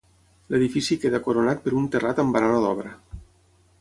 L'edifici queda coronat per un terrat amb barana d'obra.